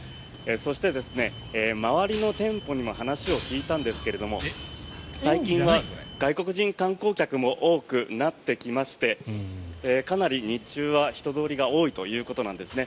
そして、周りの店舗にも話を聞いたんですが最近は外国人観光客も多くなってきましてかなり日中は人通りが多いということなんですね。